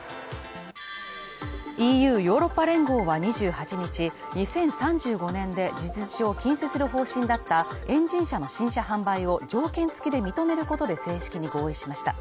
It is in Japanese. ＥＵ＝ヨーロッパ連合は２８日、２０３５年で事実上、禁止する方針だったエンジン車の新車販売を条件付きで認めることで正式に合意しました。